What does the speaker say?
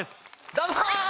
どうも！